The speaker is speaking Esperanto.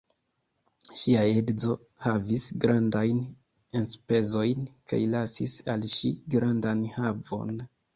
Ŝia edzo havis grandajn enspezojn kaj lasis al ŝi grandan havon.